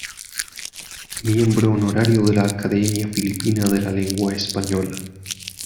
Miembro honorario de la Academia Filipina de la Lengua Española.